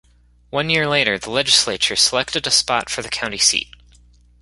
One year later, the legislature selected a spot for the county seat.